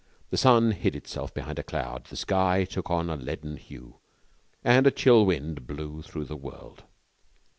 The sun hid itself behind a cloud, the sky took on a leaden hue, and a chill wind blew through the world.